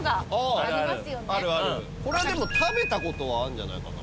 あるあるこれはでも食べたことはあるんじゃないかなあ？